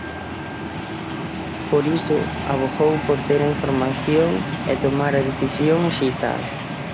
Por iso, avogou por "ter a información e tomar a decisión axeitada".